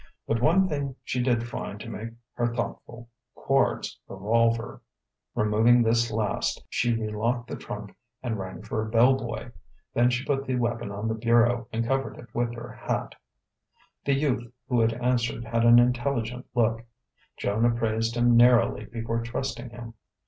But one thing she did find to make her thoughtful Quard's revolver.... Removing this last, she relocked the trunk and rang for a bell boy. Then she put the weapon on the bureau and covered it with her hat. The youth who answered had an intelligent look. Joan appraised him narrowly before trusting him.